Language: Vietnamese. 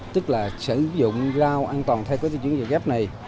tức là sử dụng rau an toàn thay với cái diễn dự gép này